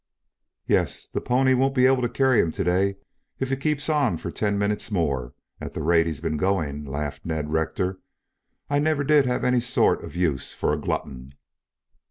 "Yes, the pony won't be able to carry him to day if he keeps on for ten minutes more, at the rate he's been going," laughed Ned Rector. "I never did have any sort of use for a glutton."